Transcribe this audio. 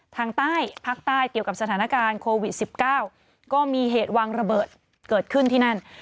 ทางใต้ภาคใต้เกี่ยวกับสถานการณ์โควิด๑๙ก็มีเหตุวางระเบิดเกิดขึ้นที่นั่น